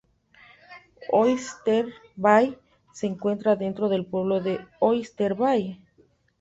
Oyster Bay se encuentra dentro del pueblo de Oyster Bay.